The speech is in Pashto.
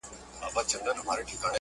سپینه بیړۍ د لوست لپاره انتخاب کړم